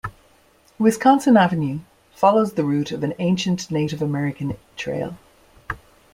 Wisconsin Avenue follows the route of an ancient Native American trail.